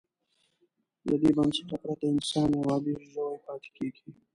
له دې بنسټه پرته انسان یو عادي ژوی پاتې کېږي.